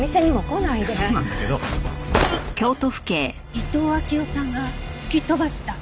伊東暁代さんが突き飛ばした？